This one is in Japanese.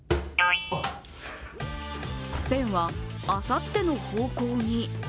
ペンは、あさっての方向に。